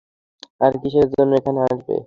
আর কিসের জন্য এখানে আসবে?